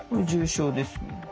重症ですね。